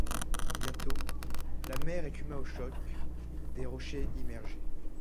Bientôt, la mer écuma au choc des roches immergées.